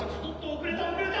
遅れた遅れた！